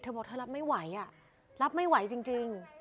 บอกเธอรับไม่ไหวรับไม่ไหวจริง